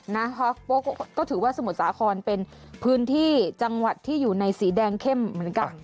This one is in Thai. ฮอฟก็ถือว่าสมุทรสาครเป็นพื้นที่จังหวัดที่อยู่ในสีแดงเข้มเหมือนกัน